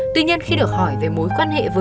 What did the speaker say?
tuy nhiên khi được hỏi về mối quan hệ với nạn nhân